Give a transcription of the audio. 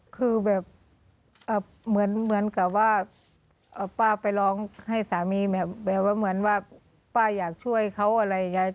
คือแบบเหมือนกับว่าป้าไปร้องให้สามีแบบว่าเหมือนว่าป้าอยากช่วยเขาอะไรอย่างนี้